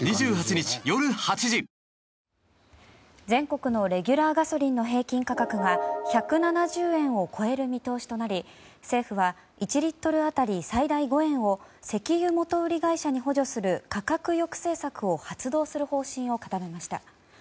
全国のレギュラーガソリンの平均価格が１７０円を超える見通しとなり政府は１リットル当たり最大５円を石油元売り会社に補助する価格抑制策を発動する方針を固めました。